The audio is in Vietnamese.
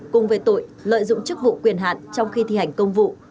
cùng về tội lợi dụng chức vụ quyền hạn trong khi thi hành công vụ